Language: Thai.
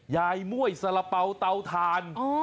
ยายม่วยสละเปาเตาทาน